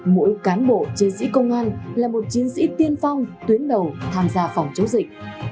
mỗi cán bộ chiến sĩ công an là một chiến sĩ tiên phong tuyến đầu tham gia phòng chống dịch